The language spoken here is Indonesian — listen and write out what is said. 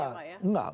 jutaan ton ya pak ya